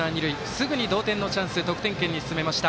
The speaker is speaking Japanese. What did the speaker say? すぐに同点のチャンス得点圏に進めました。